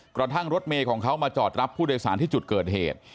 กระทั่งรถเมย์ของเขามาจอดรับผู้โดยสารที่จุดเกิดเหตุ